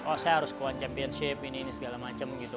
oh saya harus kuat championship ini ini segala macam gitu